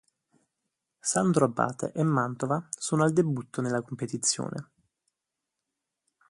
Sandro Abate e Mantova sono al debutto nella competizione.